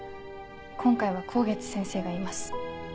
今回は香月先生がいます。